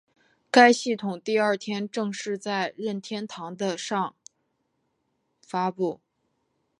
该系统第二天正式在任天堂的上发布。